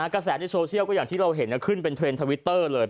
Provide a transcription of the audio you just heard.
กระแสในโซเชียลก็อย่างที่เราเห็นขึ้นเป็นเทรนด์ทวิตเตอร์เลย